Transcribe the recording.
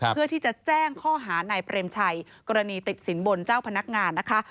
เพื่อที่จะแจ้งข้อหานายเปรมชัยกรณีติดสินบนเจ้าพนักงานนะคะ